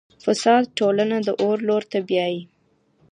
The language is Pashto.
فساد ټولنه د اور لور ته بیایي.